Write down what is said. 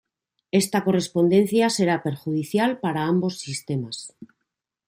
Esta correspondencia será perjudicial para ambos sistemas.